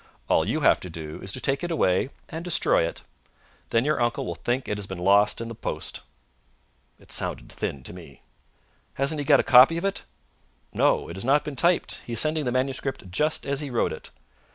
All you have to do is to take it away and destroy it. Then your uncle will think it has been lost in the post." It sounded thin to me. "Hasn't he got a copy of it?" "No; it has not been typed. He is sending the manuscript just as he wrote it."